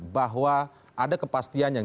bahwa ada kepastian yang